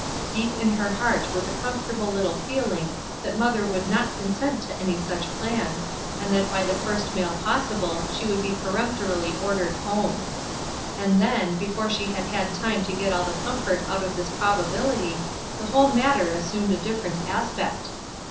Deep in her heart was a comfortable little feeling that mother would not consent to any such plan, and that by the first mail possi ble she would be peremptorily ordered home And then, before she had had time to get all the comfort out of this probability, the whole matter assumed a different aspect.